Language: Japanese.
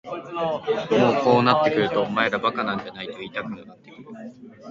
もうこうなってくるとお前ら馬鹿なんじゃないと言いたくもなってくる。